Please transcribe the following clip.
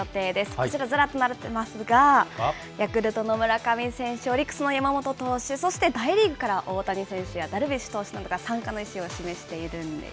こちら、ずっと並んでいますが、ヤクルトの村上選手、オリックスの山本投手、そして大リーグからは大谷選手やダルビッシュ投手が参加の意思を示しているんです。